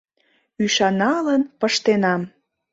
Ӱшаналын, пыштенам.